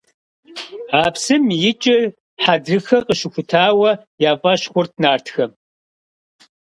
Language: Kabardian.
А псым икӀыр Хьэдрыхэ къыщыхутауэ я фӀэщ хъурт нартхэм.